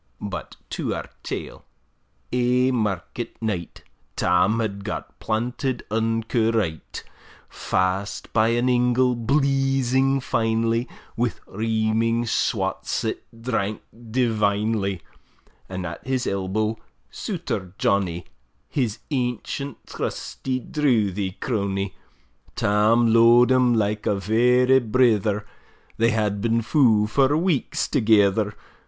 But to our tale: Ae market night, Tam had got planted unco right; Fast by an ingle, bleezing finely, Wi' reaming swats, that drank divinely; And at his elbow, Souter Johnny, His ancient, trusty, drouthy crony; Tam lo'ed him like a vera brither; They had been fou for weeks thegither.